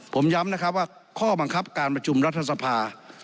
ผมย้ำนะครับว่าข้อบังคับการประชุมรัฐสภา